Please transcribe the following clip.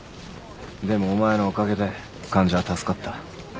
でもお前のおかげで患者は助かった。